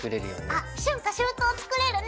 あっ春夏秋冬を作れるね。